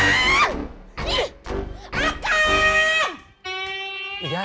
ini apa apaan dekang